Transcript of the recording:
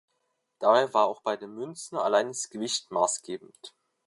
Dabei war auch bei den Münzen allein das Gewicht maßgebend.